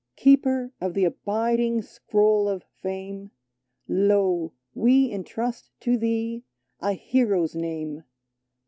Keeper of the abiding scroll of fame, Lo ! we intrust to thee a hero's name